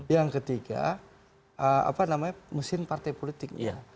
yang ketiga mesin partai politiknya